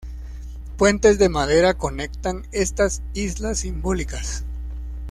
Puentes de madera conectan estas islas simbólicas.